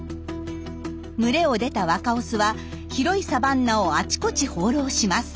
群れを出た若オスは広いサバンナをあちこち放浪します。